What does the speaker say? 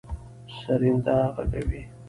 سرېنده غږوي.